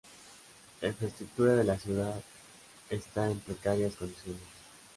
La infraestructura de la ciudad está en precarias condiciones.